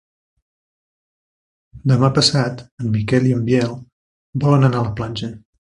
Demà passat en Miquel i en Biel volen anar a la platja.